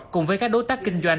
cùng với các đối tác kinh doanh